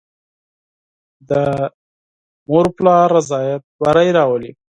د والدینو رضایت بری راولي.